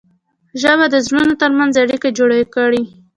ژبه د زړونو ترمنځ اړیکه جوړه کړي